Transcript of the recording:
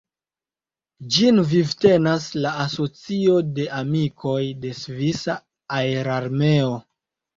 Ĝin vivtenas la Asocio de amikoj de svisa aerarmeo.